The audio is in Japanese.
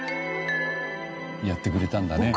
やってくれたんだね。